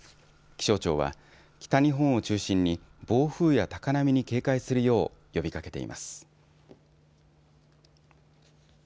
気象庁は北日本を中心に暴風や高波に警戒するよう呼びかけています。